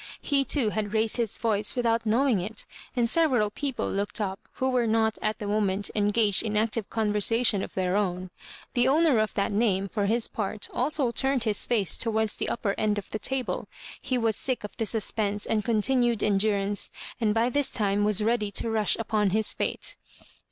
He too had raised his voice without knowing it, and several people looked up, who were not at the moment engaged in ac tive conversation of their own. The owner of that name, for his part, also turned his face to wards the upper end of the table. He was sick of the suspense and continued endurance, and by this time was ready to rush upon his fate.